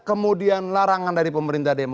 kemudian larangan dari pemerintah